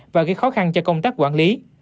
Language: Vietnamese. và gây khó khăn cho công tác quản lý